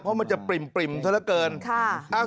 เพราะมันจะปริ่มเท่าเท่าเกิน